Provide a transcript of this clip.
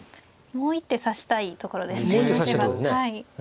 もう一手指したいところですねうん。